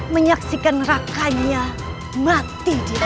menyaksikan rakanya mati di hadapan